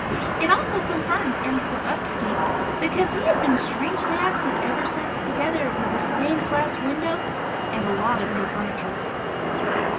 It also confirmed M. Stepupski, because he has been strangely absent ever since together with a stained glass window and a lot of new furniture.